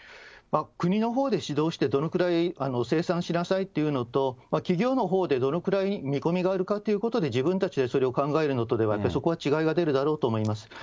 国のほうで指導して、どのくらい生産しなさいというのと、企業のほうでどのくらい見込みがあるかということで、自分たちでそれを考えるのとでは、そこは違いが出るだろうと思います。